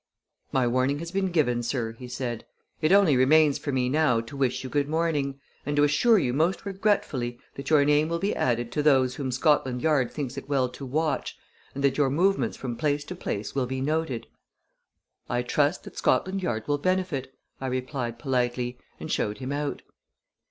"My warning has been given, sir," he said. "It only remains for me now to wish you good morning, and to assure you most regretfully that your name will be added to those whom Scotland Yard thinks it well to watch and that your movements from place to place will be noted." "I trust that Scotland Yard will benefit," I replied politely, and showed him out.